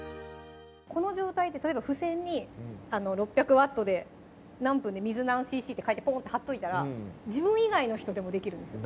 この状態で例えば付箋に６００Ｗで何分で水何ｃｃって書いてポンって貼っといたら自分以外の人でもできるんですよ